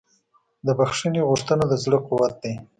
د بښنې غوښتنه د زړه قوت دی.